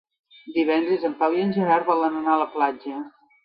Divendres en Pau i en Gerard volen anar a la platja.